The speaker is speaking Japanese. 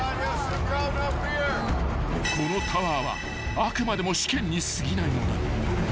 ［このタワーはあくまでも試験にすぎないのだ］